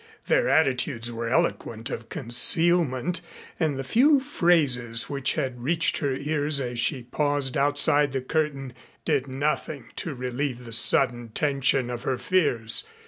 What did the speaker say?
Their attitudes were eloquent of concealment and the few phrases which had reached her ears as she paused outside the curtain did nothing to relieve the sudden tension of her fears.